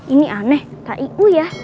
ini aneh tak iu ya